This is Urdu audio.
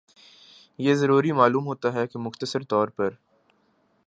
یہ ضروری معلوم ہوتا ہے کہ مختصر طور پر